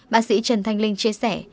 bác sĩ trần thanh linh chia sẻ